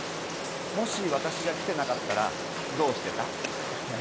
もし私が来てなかったらどうしてた？